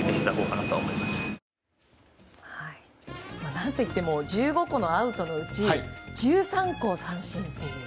何といっても１５個のアウトのうち１３個が三振という。